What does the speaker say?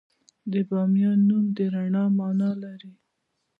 د بامیان نوم د رڼا مانا لري